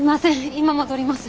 今戻ります。